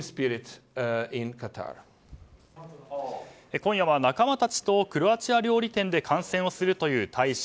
今夜、仲間たちとクロアチア料理店で観戦をするという大使。